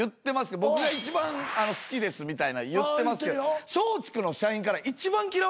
「僕が一番好きです」みたいな言ってますけど松竹の社員から一番嫌われてますから。